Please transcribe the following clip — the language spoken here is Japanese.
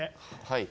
はい。